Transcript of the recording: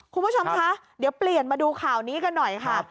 คุณผู้ชมคะเดี๋ยวเปลี่ยนมาดูข่าวนี้กันหน่อยค่ะ